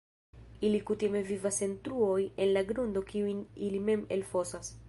Ili kutime vivas en truoj en la grundo kiujn ili mem elfosas.